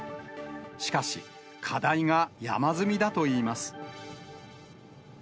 しかし、課題が山積みだといいます。